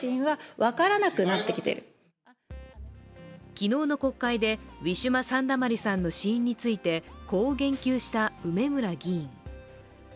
昨日の国会で、ウィシュマ・サンダマリさんの死因について、こう言及した梅村議員。